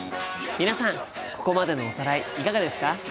皆さんここまでのおさらいいかがですか？